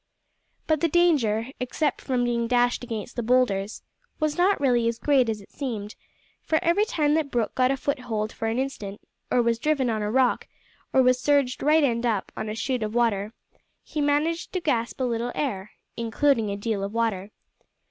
But the danger, except from being dashed against the boulders, was not really as great as it seemed, for every time that Brooke got a foothold for an instant, or was driven on a rock, or was surged, right end up, on a shoot of water, he managed to gasp a little air including a deal of water.